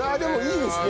いいですね。